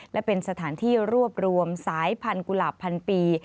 และเป็นสถานที่รวบรวมสายพันธุ์กุหลาบพันปี